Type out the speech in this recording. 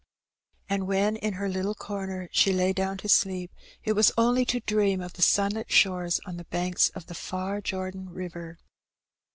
And when in her little comer she lay down to sleep, it In the Woods. 109 was only to dream of the sunlit shores on the banks of the far Jordan river.